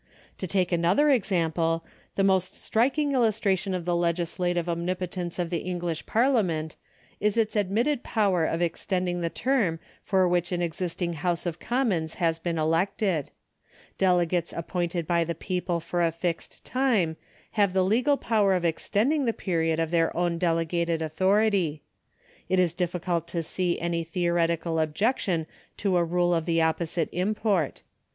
To take another example, the most striking illustration of the legislative omni])otence of the English Parliament is its admitted power of extending the term for which an existing House of Commons has been elected. Delegates aiipointed by the people for a fixed time have the legal power of extending the period of their own delegated authority. It is difficult to see any theoretical objection to a rule of the opjjosite import.